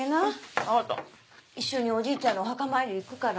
一緒におじいちゃんのお墓参りに行くから。